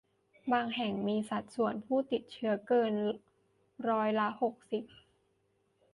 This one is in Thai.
บางแห่งมีสัดส่วนผู้ติดเชื้อเกินร้อยละหกสิบ